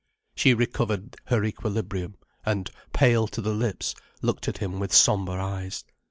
She recovered her equilibrium, and, pale to the lips, looked at him with sombre eyes.